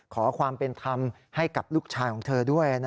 ขอความเป็นธรรมให้กับลูกชายของเธอด้วย